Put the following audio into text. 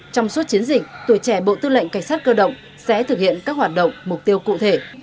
trong suốt chiến dịch tuổi trẻ bộ tư lệnh cảnh sát cơ động sẽ thực hiện các hoạt động mục tiêu cụ thể